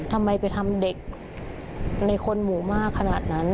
ทำไมไปทำเด็กในคนหมู่มากขนาดนั้น